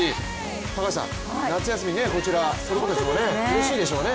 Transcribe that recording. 高橋さん、夏休みにこちら、子供たちもうれしいでしょうね。